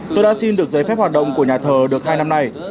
tôi đã xin được giấy phép hoạt động của nhà thờ được hai năm nay